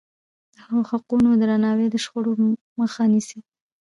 د حقونو درناوی د شخړو مخه نیسي.